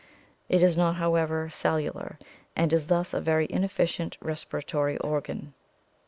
It is not, however, cellular and is thus a very inefficient respiratory organ.